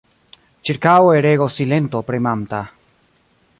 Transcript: Ĉirkaŭe regos silento premanta.